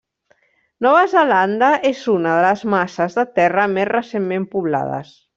Nova Zelanda és una de les masses de terra més recentment poblades.